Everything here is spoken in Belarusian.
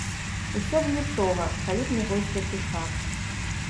Усё б нічога, калі б не вось гэты факт.